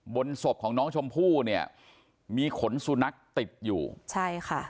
บนศพของน้องชมพู่เนี่ยมีขนสุนัขติดอยู่ใช่ค่ะ